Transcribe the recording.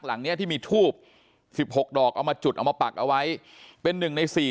หลังเนี้ยที่มีทูบ๑๖ดอกเอามาจุดเอามาปักเอาไว้เป็นหนึ่งในสี่